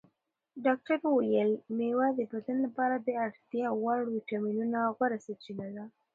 ډاکتر وویل مېوه د بدن لپاره د اړتیا وړ ویټامینونو غوره سرچینه ده.